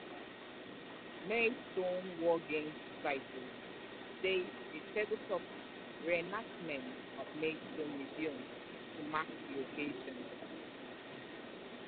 Maidstone Wargames Society staged a table-top re-enactment at Maidstone Museum to mark the occasion.